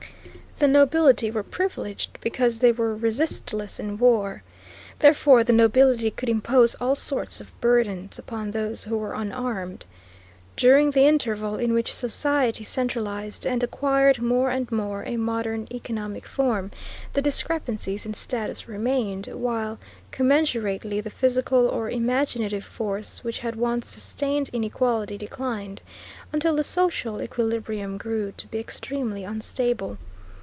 The nobility were privileged because they were resistless in war. Therefore, the nobility could impose all sorts of burdens upon those who were unarmed. During the interval in which society centralized and acquired more and more a modern economic form, the discrepancies in status remained, while commensurately the physical or imaginative force which had once sustained inequality declined, until the social equilibrium grew to be extremely unstable.